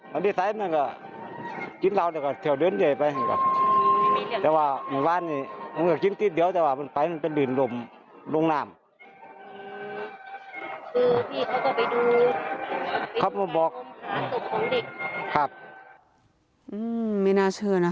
ไม่น่าเชื่อนะ